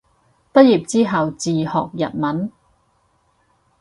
畢業之後自學日文